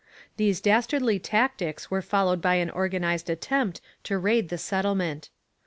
These dastardly tactics were followed by an organized attempt to raid the settlement.